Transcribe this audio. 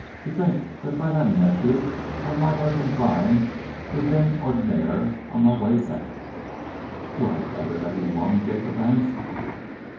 To think that if I hadn't met you I might have been trying the vin ordinaire on my way back!" "Do I gather that you won?" Jacob asked.